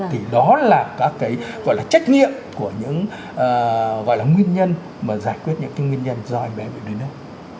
thì đó là cái gọi là trách nhiệm của những gọi là nguyên nhân mà giải quyết những cái nguyên nhân do em bé bị đưa nước